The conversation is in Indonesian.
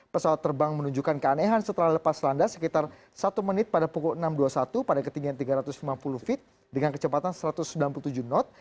pesawat terbang menunjukkan keanehan setelah lepas landas sekitar satu menit pada pukul enam dua puluh satu pada ketinggian tiga ratus lima puluh feet dengan kecepatan satu ratus sembilan puluh tujuh knot